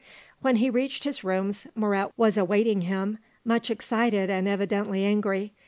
When he reached his rooms, Moret was awaiting him, much excited and evidently angry.